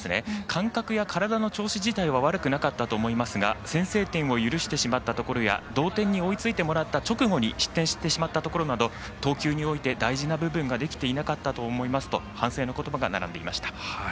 感覚や体の調子自体は悪くなかったと思いますが先制点を許してしまったところや同点に追いついてもらった直後に失点してしまったところなど投球において大事な部分ができていなかったと思いますと反省のことばが並んでいました。